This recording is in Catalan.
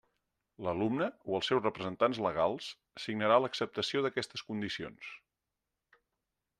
L'alumne, o els seus representants legals, signarà l'acceptació d'aquestes condicions.